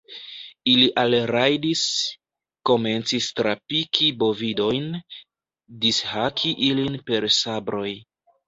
ili alrajdis, komencis trapiki bovidojn, dishaki ilin per sabroj.